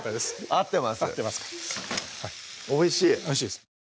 合ってます